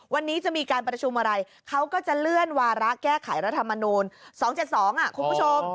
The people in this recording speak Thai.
วันนี้จะมีการประชุมอะไรเขาก็จะเลื่อนวาระแก้ไขรัฐมนูล๒๗๒คุณผู้ชม